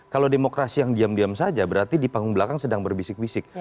kalau demokrasi yang diam diam saja berarti di panggung belakang sedang berbisik bisik